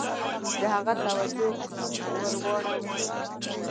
د هغه توجه واړول شي.